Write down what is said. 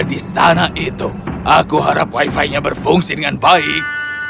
di sana itu aku harap wifi nya berfungsi dengan baik